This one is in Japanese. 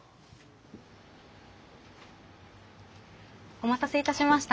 お待たせいたしました。